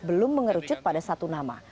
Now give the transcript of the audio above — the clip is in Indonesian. belum mengerucut pada satu nama